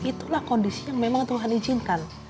itulah kondisi yang memang tuhan izinkan